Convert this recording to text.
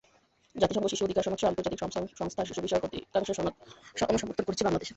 জাতিসংঘ শিশু অধিকার সনদসহ আন্তর্জাতিক শ্রম সংস্থার শিশুবিষয়ক অধিকাংশে সনদ অনুসমর্থন করেছে বাংলাদেশ।